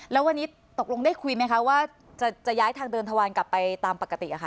แล้ววันนี้ตกลงได้คุยไหมคะว่าจะย้ายทางเดินทวันกลับไปตามปกติค่ะ